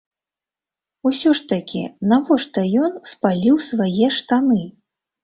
Усё ж такі навошта ён спаліў свае штаны?